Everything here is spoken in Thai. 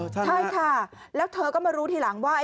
ใช่ค่ะแล้วเธอก็มารู้ทีหลังว่า